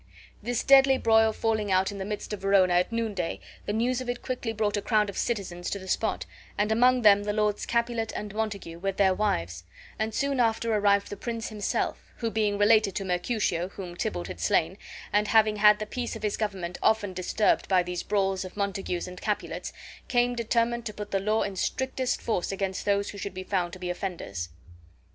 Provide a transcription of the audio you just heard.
This deadly broil falling out in the midst of Verona at noonday, the news of it quickly brought a crowd of citizens to the spot and among them the Lords Capulet and Montague, with their wives; and soon after arrived the prince himself, who, being related to Mercutio, whom Tybalt had slain, and having had the peace of his government often disturbed by these brawls of Montagues and Capulets, came determined to put the law in strictest force against those who should be found to be offenders.